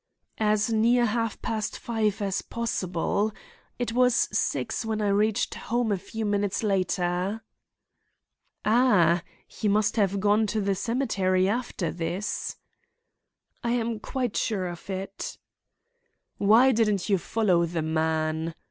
"As near half past five as possible. It was six when I reached home a few minutes later." "Ah, he must have gone to the cemetery after this." "I am quite sure of it." "Why didn't you follow the man?"